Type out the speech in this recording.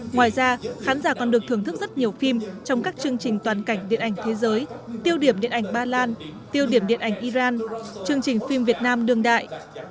ngoài ra khán giả còn được thưởng thức rất nhiều phim trong các chương trình toàn cảnh điện ảnh thế giới tiêu điểm điện ảnh ba lan tiêu điểm điện ảnh iran chương trình phim việt nam đương đại